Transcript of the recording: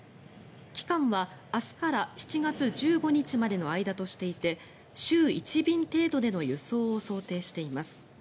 期間は明日から７月１５日までの間としていて週１便程度での輸送を想定しています。